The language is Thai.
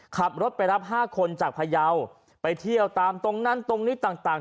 ขับรถไปรับ๕คนจากพยาวไปเที่ยวตามตรงนั้นตรงนี้ต่าง